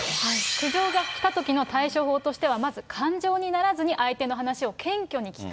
苦情が来たときの対処法としては、まず感情にならずに相手の話を謙虚に聞く。